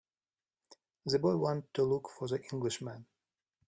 The boy went to look for the Englishman.